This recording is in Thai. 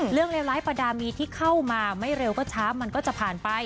เลวร้ายประดามีที่เข้ามาไม่เร็วก็ช้ามันก็จะผ่านไป